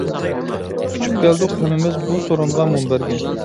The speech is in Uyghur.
ئۇچۇپ كەلدۇق ھەممىمىز، بۇ سورۇنغا مۇنبەرگە.